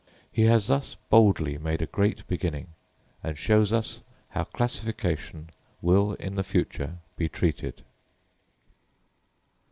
He has thus boldly made a great beginning, and shows us how classification will in the future be treated.